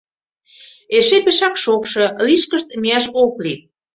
Эше пешак шокшо, лишкышт мияш ок лий.